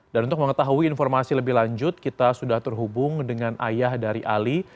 untuk mengetahui informasi lebih lanjut kita sudah terhubung dengan ayah dari ali